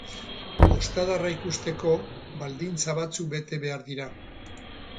Ostadarra ikusteko, baldintza batzuk bete behar dira.